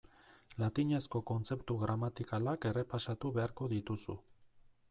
Latinezko kontzeptu gramatikalak errepasatu beharko dituzu.